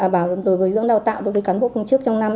và đối với dưỡng đào tạo đối với cán bộ công chức trong năm